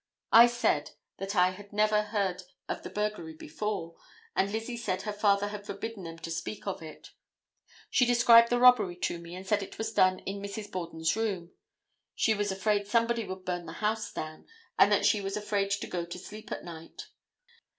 I said that I never heard of the burglary before, and Lizzie said her father had forbidden them to speak of it; she described the robbery to me and said it was done in Mrs. Borden's room; she was afraid somebody would burn the house down, and that she was afraid to go to sleep at night.